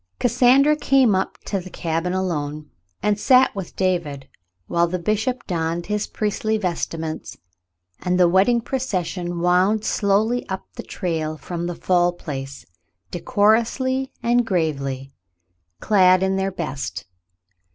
Cassandra came up to the cabin alone and sat with David, while the bishop donned his priestly vestments, and the wedding procession wound slowly up the trail from the Fall Place, decorously and gravely, clad in their best.